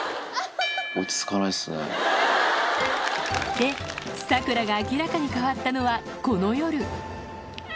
で、サクラが明らかに変わったのは、この夜。